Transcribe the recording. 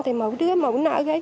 thì mỗi đứa mỗi nợ